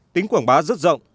tính quảng bá rất rộng